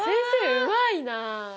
うまいな。